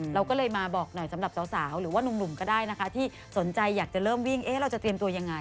เราก็เลยมาบอกหน่อยสำหรับสาวหรือว่านุ่มก็ได้นะคะที่สนใจอยากจะเริ่มวิ่งเราจะเตรียมตัวยังไง